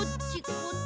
こっち？